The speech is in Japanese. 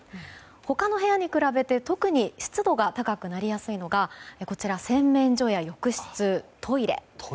他の部屋に比べて特に湿度が高くなりやすいのが洗面所や浴室、トイレ。